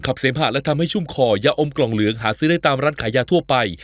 เสมหะและทำให้ชุ่มคอยาอมกล่องเหลืองหาซื้อได้ตามร้านขายยาทั่วไป